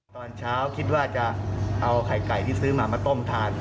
ตอนเช้าคิดว่าจะเอาไข่ไก่ที่ซื้อมามาต้มทาน